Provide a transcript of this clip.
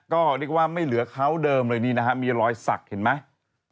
ก็เรียกว่าไม่เหลือเขาเดิมเลยนี่นะฮะมีรอยสักเห็นไหม